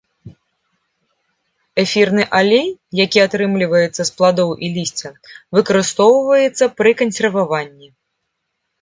Эфірны алей, які атрымліваецца з пладоў і лісця, выкарыстоўваецца пры кансерваванні.